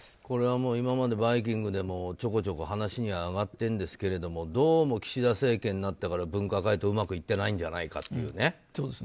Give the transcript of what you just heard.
これはもう今まで「バイキング」でもちょこちょこ話に上がっていますがどうも岸田政権になってから分科会とうまくいってないんじゃないかと。